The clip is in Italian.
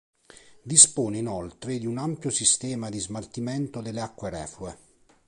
Dispone inoltre di un ampio sistema di smaltimento delle acque reflue.